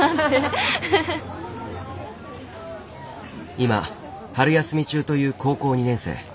今春休み中という高校２年生。